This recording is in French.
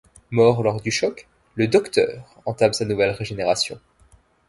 Mort lors du choc, le Docteur entame sa nouvelle régénération.